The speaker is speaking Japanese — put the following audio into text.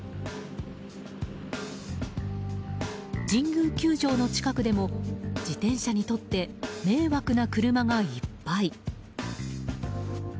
神宮球場の近くでも自転車にとって迷惑な車がいっぱい。